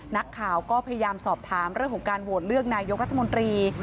นักข่าวก็พยายามสอบถามเรื่องของการโหวตเลือกนายกรัฐมนตรี